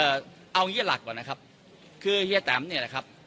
เอางี้หลักก่อนนะครับคือเฮียแตมเนี่ยนะครับ